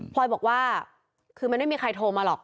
บอกว่าคือมันไม่มีใครโทรมาหรอก